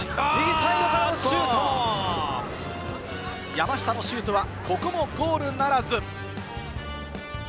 山下のシュートはここもゴールならず。